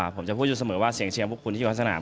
ผมจะพูดอยู่เสมอว่าเสียงเชียร์พวกคุณที่อยู่สนาม